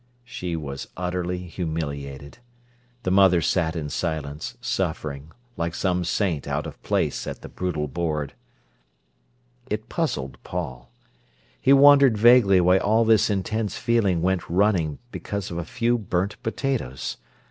She was utterly humiliated. The mother sat in silence, suffering, like some saint out of place at the brutal board. It puzzled Paul. He wondered vaguely why all this intense feeling went running because of a few burnt potatoes.